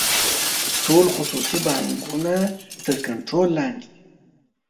ټول خصوصي بانکونه تر کنټرول لاندې دي.